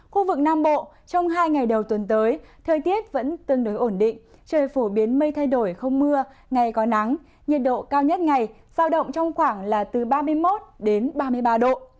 khu vực nam bộ trong hai ngày đầu tuần tới thời tiết vẫn tương đối ổn định trời phổ biến mây thay đổi không mưa ngày có nắng nhiệt độ cao nhất ngày giao động trong khoảng là từ ba mươi một ba mươi ba độ